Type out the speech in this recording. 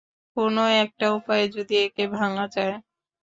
কোনও একটা উপায়ে যদি একে ভাঙা যায়!